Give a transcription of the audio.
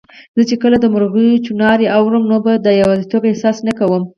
زه چي کله د مرغیو چوڼاری اورم، نو به د یوازیتوب احساس نه کوم